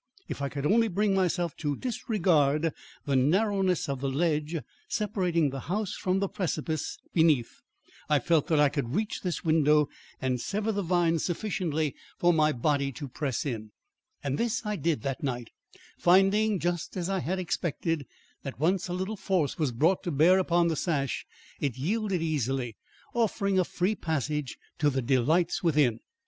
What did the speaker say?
If I could only bring myself to disregard the narrowness of the ledge separating the house from the precipice beneath, I felt that I could reach this window and sever the vines sufficiently for my body to press in; and this I did that night, finding, just as I had expected, that once a little force was brought to bear upon the sash, it yielded easily, offering a free passage to the delights within.